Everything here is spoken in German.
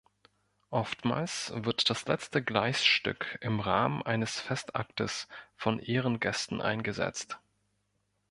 Oftmals wird das letzte Gleisstück im Rahmen eines Festaktes von Ehrengästen eingesetzt.